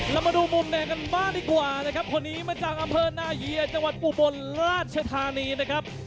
เรามาดูมุมแดงกันบ้างดีกว่านะครับคนนี้มาจากอำเภอนาเยียจังหวัดอุบลราชธานีนะครับ